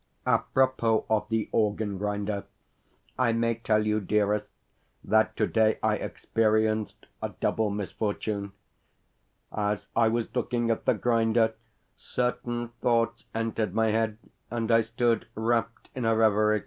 Apropos of the organ grinder, I may tell you, dearest, that today I experienced a double misfortune. As I was looking at the grinder, certain thoughts entered my head and I stood wrapped in a reverie.